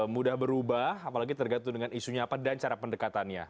mudah berubah apalagi tergantung dengan isunya apa dan cara pendekatannya